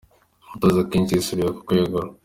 Umutoza Keshi yisubiyeho ku kwegura